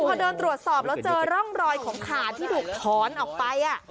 พอเดินตรวจสอบแล้วเจอร่องรอยของขาที่ถูกถอนออกไป